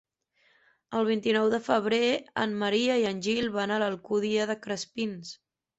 El vint-i-nou de febrer en Maria i en Gil van a l'Alcúdia de Crespins.